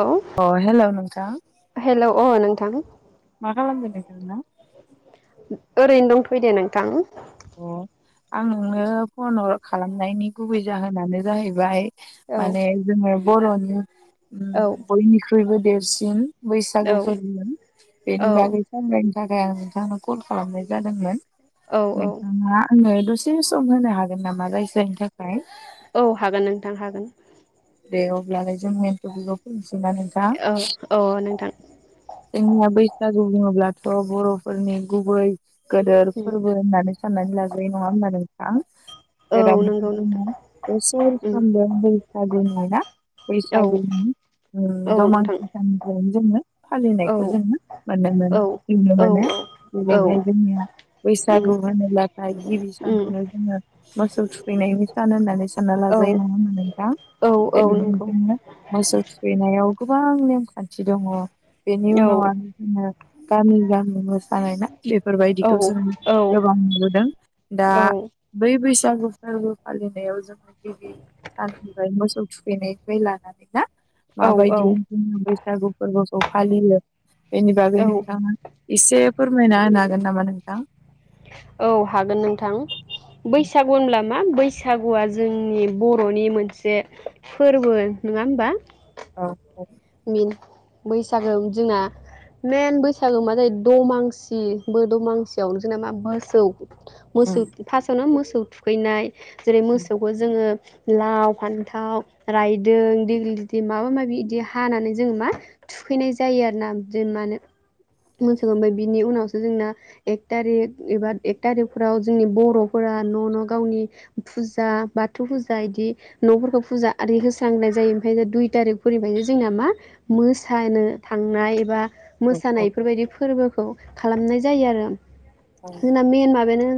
औ अ हेल' नोंथां हेल अ नों थां माखालामदों नोंथाङा? ओरैनो दंथयो दे नोंथां अ आं नोंनो फनर खालामनायनि गुबै जाहोनानो जाहैबाय औ माने जोङो बर नि उम औ बयनिख्रुयबो देरसिन औ बैसागु फोरबोमोन औ बेनि बागै सांग्रांथि थाखाय आं नोंथांनो खल खालामनाय जादोंमोन औ औ आ आङो दसे सम होनो हागोन नामा रायज्रायनो थाखाय औ हागोन नोंथां हागोन दे अब्लालाय जों मेन थफिखगाव फैनिसै ना नोंथां औ औ नोंथां जोंनिया बैसागु बुङोब्ला थ बर'फोरनि गुबै गोदोर उम फोरबो होननानै साननानै लाजायो नङा होमबा नोंथां औ नंगौ जेरावदि नोंथां जोंङो बोसोर उम फ्रोमबो बै आगुन नायना औ बैसागुनि [unintelligible] औ जोङो नोंथां औ फालिनायखौ जोङो [unintelligible] औ औ औ [unintelligible] उम बैसागु होनोब्लाथाय गिबि उम सानखौनो जोङो मोसौ थुखैनायनि सान होननानै सानना औ लाजायो नङा होनबा नोंथां। औ औ बेबायदिनो नंगौ जोंङो मोसौ थुखैनायाव गोबां नेम खान्थि दङ बेनि औ उनाव आरो जोङो गामि गामि मोसानाय ना औ बेफोरबायदिखौ जोङो औ गोबां नुबोदों दा औ बै बैस बैसागु फोरबो फालिनायाव जों गिबि साननि मोसौ थुफैनायफ्राय लानानै ना मा बायदि औ बैसागु फोरबोखौ फालियो बेनि बागै औ नोंथाङा एसे फोरमायना होनानै गोन नामा नोंथां औ हागोन नोंथां बैसागु होनब्ला मा बैसागुआ जोंनि बरनि मोनसे फोरबो नङा होमबा औ औ मिन बैसागो जोंना मेन बैसागो मा जायो दमासि बे दमासियाव जोंना मा मोसौ औ मोसौ फासावनो मोस सौ थुखैनाय जेरै मोसौखौ जोङो लाव, फान्थाव, रायदों, देग्लिदि माबा माबि बिदि हा हानानै जोङो मा थुखैनाय जायो आरो ना बि मोसौ होनो बिनि उनावसो जोंना एक थारिख एबा एक थारिखफोराव जोंनि बरफोरा न न गावनि फुजा बाथौ फुजा बिदि नफोरखौ फुजा आररि होस्रांनाय जायो ओमफ्राय दुइ तारिखफोरनिफायनो जो जोंना मा मोसानो थांनाय एबा औ मोसानायफोरबायदि फोरबो खौ खालामनाय जायो आरो औ जोंना मेन माबानो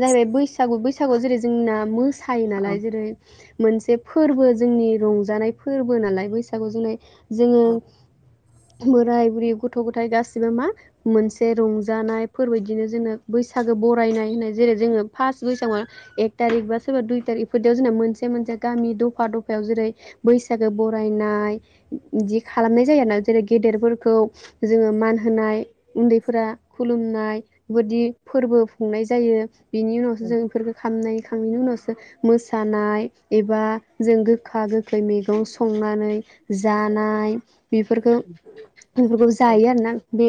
जाहैबाय बैसागु बैसागुआव जेरै जोंना मो सायो औ नालाय जेरै मोनसे फोरबो जोंनि रंजानाय फोरबो नालाय बैसागु जोंनाय जोङो बोराय बुरि गथ' गथाय गासिबो मा मोनसे रंजानायफोर बायदिनो जोङो बैसागो बरायनाय होननाय जेरै जोङो फार्स्ट बैसागआव एक थारिख बा सोरबा दुइ थारिख बेफोरदियाव जोंना मोनसे मोनसे गामि दफा दफायाव जेरै बैसागो बरायनाय बिदि खालामनाय जायो आरोना जेरै गेदेरफोरखौ जोङो मान होनाय उन्दैफोरा खुलुमनाय बेदि फोरबो खुंनाय जायो। बिनि उनावसो जों इफोरफोरखौ खामनायखांनायनि उनावसो मोसानाय एबा जों गोखा गोखै मैगं संनानै जानाय बेफोरखौ बेफोरखौ जायो आरोना बे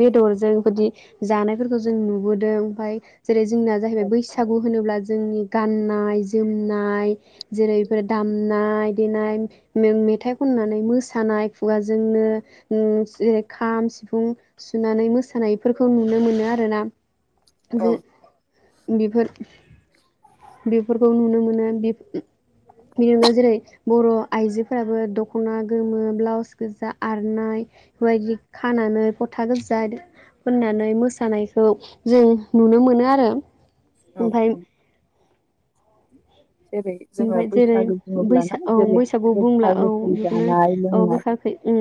बेदरजों बेदि। जानायफोरखौ जों नुबोदों ओमफाय जेरै जोंना जाहैबाय बैसागु होनोब्ला जोंनि गाननाय जोमनाय जेरै फोर दामनाय देनाय मे मेथाइ खननानै मोसानाय खुगाजोंनो उम जेरै खाम सिफुं सुनानै मोसानायफोरखौ नुनो मोनो आरोना। औ जे बेफोर बेफोरखौ नुनो मोनो बि बिनि जेरै बर' आइजोफोराबो दखना गोमो ब्लाउस गोजा आरनाय बेबायदि खानानै फथा गोजा होननानै मोसानायखौ जों नुनो मोनो आरो। औ ओमफाय औ। जेरै जोङो ओमफाय जेरै बैसागो बैसा बुङोब्लाना औ जेरै बैसागु गोखा बुंब्ला औ गोखै बेखौनो जानाय औ लोंनाय गोखा गोखै उम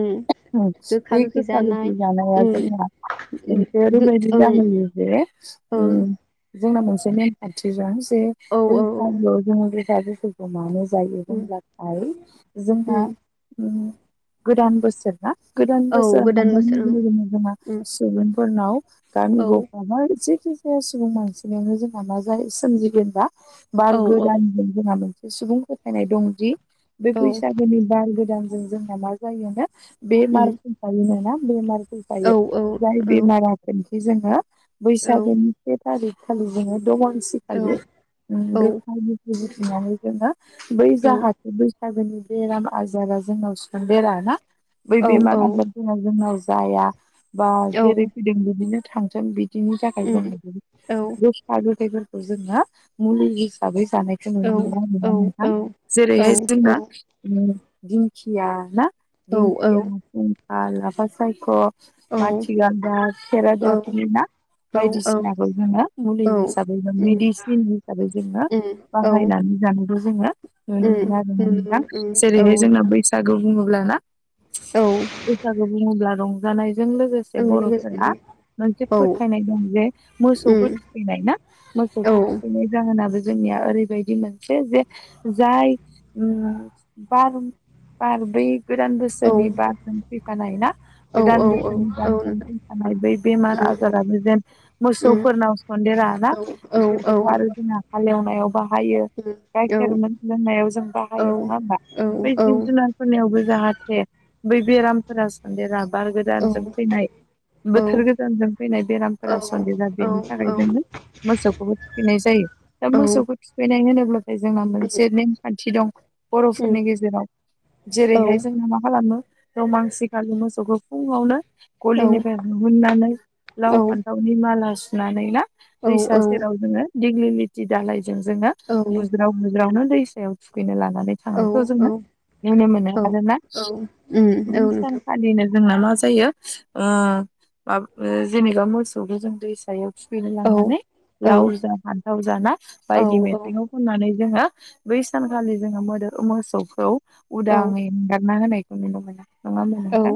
उम बे गोखा गोखै जानाया उम जोंहा मोनसे गो ओरैबायदि ओं जाहोयो जे ओं उम जोंना मोनसे नेम खान्थिजों बे औ औ बैसागु गोखा गोखै मानो जायो उम होनब्लाथाय जोंना उम उम गोदान बोसोरना गोदान औ बोसोर गोदान बोसोर हाबनायनायनि ओं लोगोनो जोंहा उम सुबुं फोरनाव गामि औ गंफा बा जे जेखि जाया सुबुं मानसिनावनो जोंहा मा जा सोमजिगोनबा औ औ गोदान [unintelligible] सुबुं फोथायनाय दं जि बे औ बैसागोनि बार गो दानजों जोंना मा जायो नो बे मार उम हुंखानिनोना बेमार जायो औ जाय औ बेमारा थोन जोङो औ बैसागनि से सारिखालि जोङो दमन औ [unintelligible] [unintelligible] [unintelligible] औ बेराम आजारा जोंनाव संदेरा ना। बै औ बेमार औ [unintelligible] जोंनाव जाया। बा औ जेरै फैदों बेदिनो थांजोब बिद [unintelligible] उम औ जोङो मुलि थाबै। जानायखौ औ नुनो मोनो आरो औ ना नोंथां औ जेरैहाय औ जोंहा उम। दिंखिया ना? दिंखिया [unintelligible] आ लाफासायख। औ माथि गाल्दाब खेरादाफिनि ना औ बायदिसिनाखौ जोङो मुलि औ हिसाबै उम मेडिसिन हिसाबै जोङो उम औ बाहाय [unintelligible] जोङो नुनो मोनो आरो उम ना नुनो नोंथां मोनो उम औ जेरैहाय जोंना बैसागु बुङो ब्ला ना औ बैसागु बुंङोब्ला रं जानाय जों लोगोसे आं लोगोसे बर'फोरा मोनसे फोथायनाय दं जे मोसौखौ थुखैनाय ना उम औ मोसौखौ थुखैनाय जाहोना बे जोंनिया ओरैबायदि मोनसे जे जाय उम बार बार बे गोदान उम औ बोसोरनि बारजों फैफानाय ना औ औ गोदान औ औ बोसोरनि बारजों फैफानाय बै बेमार आजाराबो जेन मोसौफोरनाव सन्देरा ना बिसोरखौथ आरो जोंहा संनायावबा बाहायो गाइखेर मोन लोंनायाव जों बाहायो नङा होमबा नोंथां उम बै जिब औ जुनारफोरनियावबो जाहाथे बै बेरामफोरा बेराम बार औ उम औ गोदानजों फैनाय बोथोर गोदानजों फैनाय बेरामफोरा सन्देरा बेनि थाखाय जोङो मोसौखौबो थुखैनाय जायो। दा औ मोसौखौ थुखै [unintelligible] फ्राय जोंना उम मोनसे नेमखान्थि दं। उम बर'फोरनि गेजेराव औ जेरैहाय जों मा खालामो रमांसि खालि मोसौखौ फुङावनो औ गलिनिफ्राय हुहुननानै लाव फान्थावनि माला सु नानै ना? दैसा सेराव जोङो दिघलिलित थि दालाय जोंजोंना बुज्राव बुज्रावनो दैस दैआव थुखैनो लाङो नानै औ थांनायखौ जोङो नुनो मोनो औ आरोमा औ उम औ बै नोंथां सानखालिनो जोंना मा जायो उ बा जेनेबा मोसौखौ जों दैसायाव थुखैनो औ लांनानै औ लाव जा फान्थाव लाव जा ना औ बायदि मेथाइखौ खननानै जोङो बै सानखालि जोङो मोदो मोसौखौ औ उदाङै एंगारना होनाय नुनो मोनो। नङा होनब्ला औ नोंथां?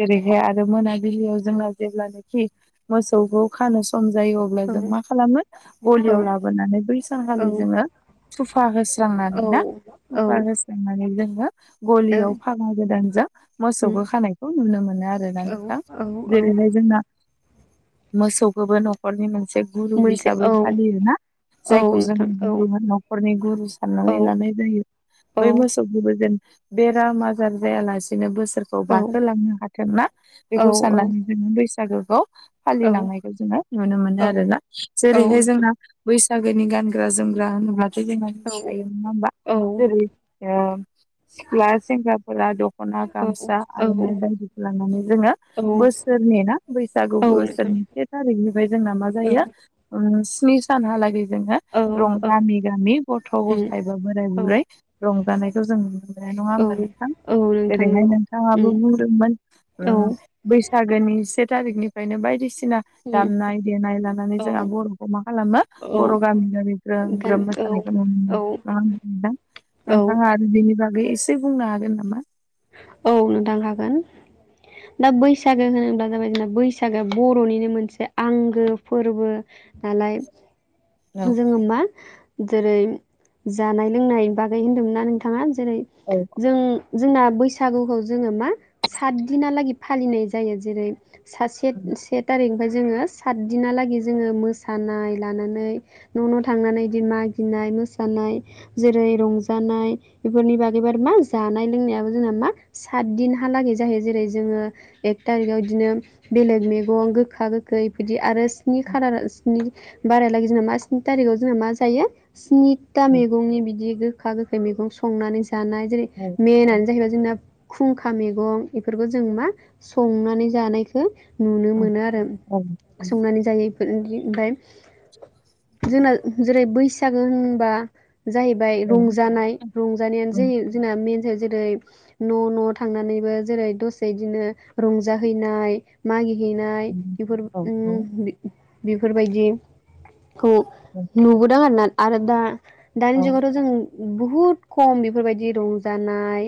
ओरैहाय आरो मोनाबिलियाव जोंना जेब्लानोखि मोसौखौ खानो सम जायो अब्ला जों मा खालामो गल लियाव लाबोनानै बै सानखालि जोङो [unintelligible] दुफा औ होस्रांनानै ना औ दुफा होस्रांनानै जों गलियाव फागा गोदानजों उम मोसौखौ खानायखौ नुनो मोनो आरोना औ नोंथां औ औ जेरैहाय जोंना मोसौखोबो नखरनि मोन से गुरु मोनसे औ हिसाबै फालियो ना? औ जायखौ जों नोंथां औ गुरु नखरनि गुरु औ साननानै लानाय जायो। औ बै मोसौखौबो जेन बेराम आजार जायालासेनो बोसो सोरखौ औ बारहोलांनो हाथों ना औ नोंथां औ बेखौ औ सानना जों बैसा [unintelligible] फालिलांनायखौ जोङो नुनो मोनो औ आरो ना औ नोंथां जेरैहाय बैसागोनि गानग्रा जोमग्रा होनोब्ला जे जोंहा औ मिथिखायो नङा होमबा औ जेरै ओ [inaudible] सिख्ला सेंग्राफोरा दख'ना गामसा आर'नाइ बायदिखौ लांनानै जोङो बोसोरनि ना बैसागु बोसोरनि से थारिखनिफ्राय जोंना मा जायो ओ स्नि सानहालागै जोङो रं औ गामि गामि गथ' उम गथाय बा बोराय औ बुरै रंजानायखौ जों नुनो मोनो नङा औ होमबा नोंथां। औ नोंथां जेरैहाय नंगौ उम नोंथाङाबो बुंदोंमोन ओ औ बैसागोनि से थारिखनिफ्रायनो बायदिसि ना उम दामनाय देनाय लानानै औ जोंहा बर' मा खालामो औ बर' गामि गामि ग्रोम गान ग्रोम औ मोसानायखौ नुनो मोनो नङा होमबा नोंथां। औ नोंथाङा आरो बेनि बागै एसे बुंनो हागोन नामा? औ नोंथां हागोन दा बैसागो होनोब्ला जाबाय जोंना बैसागोआ बर'निनो मोनसे आंगो फोरबो नालाय औ जोङो मा जेरै जानाय लोंनाय बागै होन्दोंना नोंथाङा? जेरै औ जों जोंना बैसागुखौ जोङो मा साथदिनालागै फालिनाय जायो। जेरै सासे औ से थारिख ओमफ्राय जोङो साथदिनाहालागै जोङो मोसानाय लानानै न' न' थांनानै बिदि मागिनाय मोसानाय जेरै रंजानाय बेफोरनि बागै बारै मा जानाय लोंनाया जोंना मा साथदिनहालागै जायो। जेरै जोङो एक टारिगाव बिदिनो बेलेग मैगं गोखा गोखै बिफोरदि आरो स्नि खालार स्नि बारायहालागै जोंना मा स्नि थारिखयाव जोंना मा जायो स्नि साथ्था मैगंनि बिदि गोखा गोखै मैगं संनानै जा जानाय जेरै औ मेनानै जोंना खुंखा मैगं बेफोरखौ जों मा संनानै जानायखो नुनो मोनो आरो औ संनानै जायो। ओ-ओमफ्राय जोंना जेरै बैसागो होनबा जाहैबाय रंजानाय रंजानायानो जायो जोंना मेन जा जेरै न' न' थांनानैबो जेरै दसे बिदिनो रंजाहैनाय मागि हैेनाय बेफोर उम बेफोरबायदि खौ नुबोदों आरोना। आरो दा दानि जुगावथ' जों बुहुद खम बेफोरबायदि रंजानाय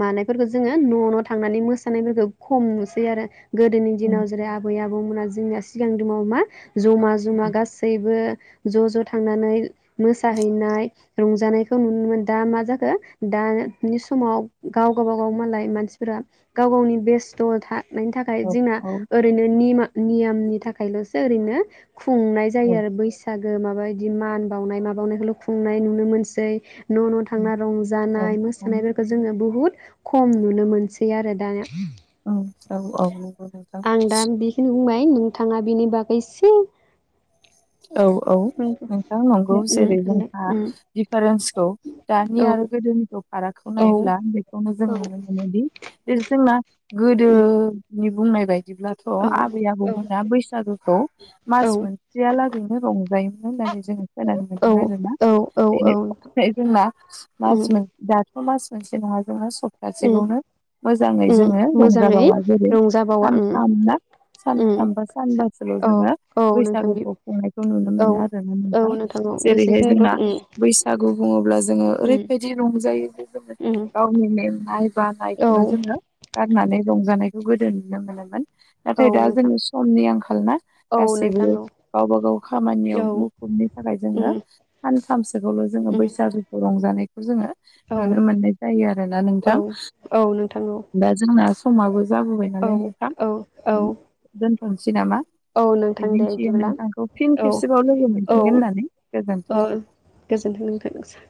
मानायफोरखौ जोङो न' न' थांनानै मोसानायफोरखौ खम नुसै आरो। गोदोनि दिनाव जेरै आबै आबौ आबौमोना जोंनिया सिगां दिनाव मा? जमा जमा गासैबो ज' ज' थांनानै मोसाहैनाय रंजानायखौ नुनो मोनदो दा मा जाखो दानि समाव गाव गावबागाव मालाय मानसिफोरा गाव गावनि बेस्थ' था थानायनि थाखाय जोंना औ ओरैनो निमा नियामनि थाखायल'सो ओरैनो खुंनाय जायो आरो बैसाग ओ माबा बिदि मान बावनाय माबावनायखौल' खुंनाय नुनो मोनसै। न' न' थांना औ रंजानाय औ मोसानायफोरखौ जोङो बुहुद बुहुद खम नुनो मोनसै आरो दाना औ औ औ आं दा औ बेखिनि औ बुंबाय नोंथाङा बिनि बागै इसे औ औ नोंथां नंगौ जेरै जोंहा दिफारेन्सखौ दानि आरो गोदोनिखौ फारागखौ औ नायब्ला बेखौनो जों औ नुनो मोनोदि [unintelligible] जोंना गोदो नि बुंनाय बाय बिदिब्लाथ' औ आबै आबौमोना बैसागुखौ मास मोन लागैनो रंजायोमोन होन जों खोनानो मोनदों आरोना औ औ [unintelligible] जोंङा औ मास मोन मास मोनसे नङा [unintelligible] सप्तासेखौनो मोजाङै औ जोङो मोजाङै रंजाबावा जेरै रंजाबावा सानथाम ना सानथाम बा सानबासोल' औ जोङो औ नोंथां बैसागु खुंनायखौ नुनो औ मोनो आरो ना औ नोंथां औ जेरैहाय जोंना बेसेखिनिखौ बैसागु बुङोब्ला जोङो उम ओरैबायदि रंजायो। जे उम गावनि मेंनाय औ बानायखौनो जोङो [unintelligible] होननानै रंजानायखौ गोदो नुनो मोनोमोन। औ नाथाय दा नोंथां जों समनि आंखाल ना औ गासैबो नोंथां औ गावबा गाव खामानियाव औ मुखुबनि थाखाय जोङो उम सानथामसोखौल' जोङो उम बैसागुखौ रंजा जानायखौ जोङो औ नुनो मोननाय जायो आरोना औ नोंथां औ नोंथां औ दा जोंना खमाबो जाबोबाय औ नालाय नोंथां औ औ दोनथ' थ'नोसै नामा? औ नोंथां दे मिजिंथियो इदिब्ला नोंथांखौ फिन खेबसेबाव लोगो मोनफिनगोन होननानै गोजोनथों गोजोन्थों नोंथां